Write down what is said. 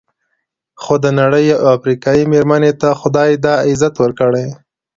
خو د نړۍ یوې افریقایي مېرمنې ته خدای دا عزت ورکړی.